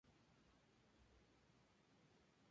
Notar el cambio de "unto" a "into" en el título del disco.